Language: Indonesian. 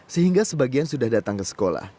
sehingga sebagian sudah datang ke sekolah